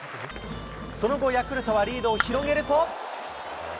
その後、ヤクルトはリードを広げると。